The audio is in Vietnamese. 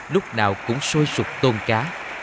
lúc nào cũng sôi sụt tôn cá